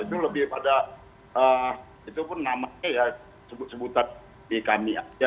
itu lebih pada itu pun namanya ya sebut sebutan di kami aja